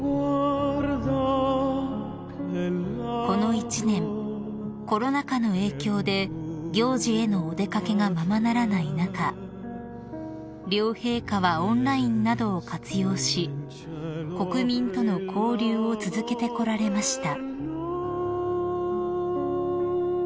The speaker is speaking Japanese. ［この一年コロナ禍の影響で行事へのお出掛けがままならない中両陛下はオンラインなどを活用し国民との交流を続けてこられました］